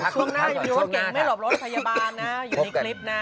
ช่วงหน้ายูไม่รอบรถพยาบาลนะอยู่ในคลิปนะ